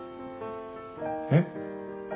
えっ？